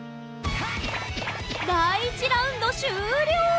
第１ラウンド終了！